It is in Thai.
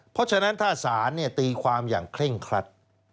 เพราะฉะนั้นถ้าศาลตีความอย่างเคร่งครัด